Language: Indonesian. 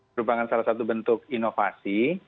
merupakan salah satu bentuk inovasi